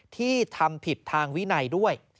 ที่ทำผิดทางวินัยด้วย